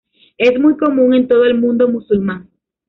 Es muy común en todo el mundo musulmán.